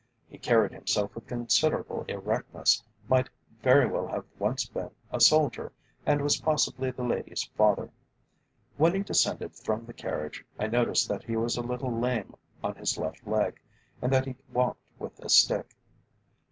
He carried himself with considerable erectness, might very well have once been a soldier, and was possibly the lady's father. When he descended from the carriage, I noticed that he was a little lame on his left leg, and that he walked with a stick.